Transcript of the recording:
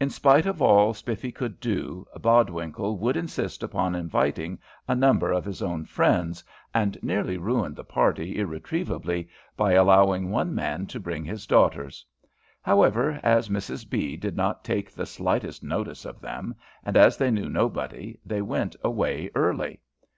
In spite of all Spiffy could do, Bodwinkle would insist upon inviting a number of his own friends, and nearly ruined the party irretrievably by allowing one man to bring his daughters. However, as Mrs B. did not take the slightest notice of them, and as they knew nobody, they went away early.